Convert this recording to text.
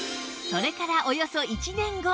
それからおよそ１年後